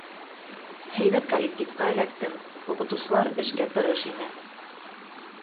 Һәйбәт коллективҡа эләктем, уҡытыусылар эшкә тырыш ине.